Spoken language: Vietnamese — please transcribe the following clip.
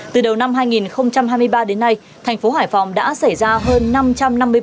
từ đầu năm hai nghìn hai mươi ba đến nay thành phố hải phòng đã xảy ra hơn năm trăm linh vụ tai nạn giao thông